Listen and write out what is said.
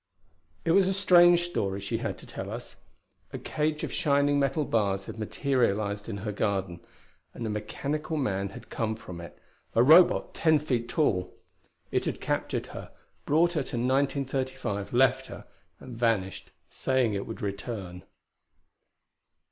It was a strange story she had to tell us. A cage of shining metal bars had materialized in her garden, and a mechanical man had come from it a Robot ten feet tall. It had captured her; brought her to 1935; left her, and vanished saying it would return.